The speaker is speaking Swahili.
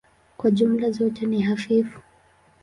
Kwa jumla zote ni hafifu.